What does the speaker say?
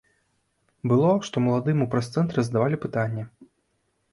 Было, што маладым у прэс-цэнтры задавалі пытанні.